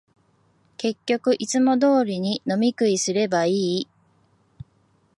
結局、いつも通りに飲み食いすればいい